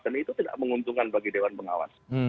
dan itu tidak menguntungkan bagi dewan pengawas